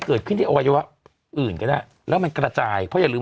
เกิดขึ้นที่อวัยวะอื่นก็ได้แล้วมันกระจายเพราะอย่าลืม